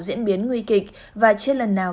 diễn biến nguy kịch và chưa lần nào